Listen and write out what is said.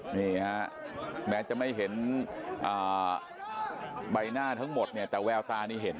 นี่ฮะแม้จะไม่เห็นใบหน้าทั้งหมดเนี่ยแต่แววตานี่เห็น